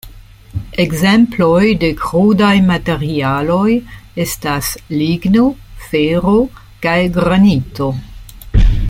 Ekzemploj de krudaj materialoj estas ligno, fero kaj granito.